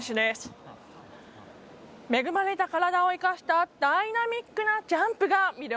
恵まれた体を生かしたダイナミックなジャンプが魅力。